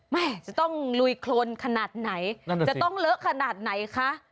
แม่จะต้องลุยโครนขนาดไหนจะต้องเลอะขนาดไหนคะ